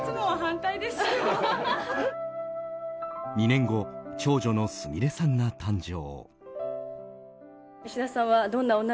２年後長女のすみれさんが誕生。